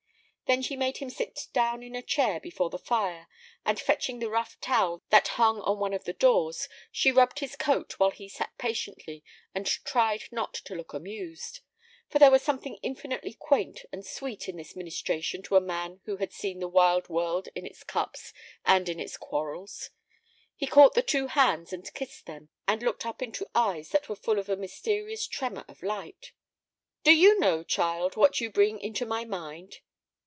Then she made him sit down in the chair before the fire, and, fetching the rough towel that hung on one of the doors, she rubbed his coat while he sat patiently and tried not to look amused. For there was something infinitely quaint and sweet in this ministration to a man who had seen the wild world in its cups and in its quarrels. He caught the two hands and kissed them, and looked up into eyes that were full of a mysterious tremor of light. "Do you know, child, what you bring into my mind?"